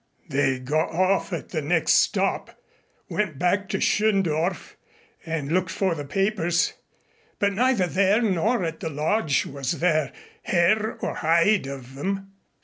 They got off at the next stop, went back to Schöndorf and looked for the papers, but neither there nor at the lodge was there hair or hide of 'em.